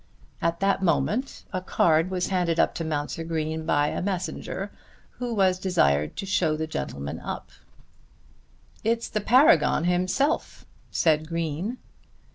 At that moment a card was handed to Mounser Green by a messenger who was desired to show the gentleman up. "It's the Paragon himself," said Green.